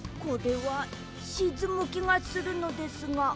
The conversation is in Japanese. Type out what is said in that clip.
これはしずむきがするのですが？